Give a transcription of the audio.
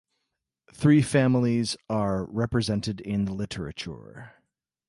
Three families are represented in the literature.